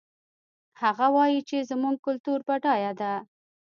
هغه وایي چې زموږ کلتور بډایه ده